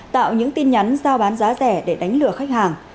tạo những tin nhắn giao bán giá rẻ để đánh lừa khách hàng